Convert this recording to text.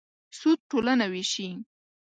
سود ټولنه وېشي.